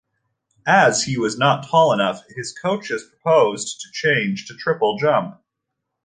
As he was not tall enough, his coaches proposed to change to triple jump.